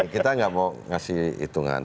kita nggak mau ngasih hitungan